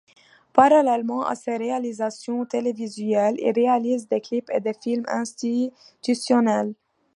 Parallèlement à ses réalisations télévisuelles, il réalise des clips et des films institutionnels.